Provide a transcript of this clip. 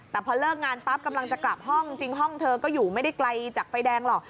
แต่พอเลิกงานปั๊บกำลังจะกลับห้องจริงห้องเธอก็อยู่ไม่ได้ไกลจากไฟแดงหรอก